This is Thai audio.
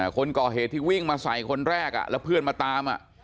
คนก่อเหตุที่วิ่งมาใส่คนแรกแล้วเพื่อนมาตาม